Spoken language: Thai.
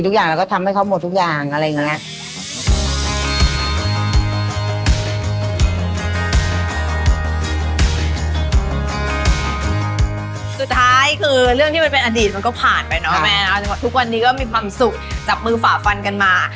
ทุกวันนี้ก็มีความสุขจับมือฝาฟันกันมา